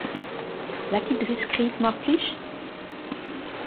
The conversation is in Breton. Lakait dre skrid mar plij !